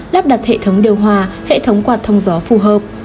lắp đặt hệ thống điều hòa hệ thống quạt thông gió phù hợp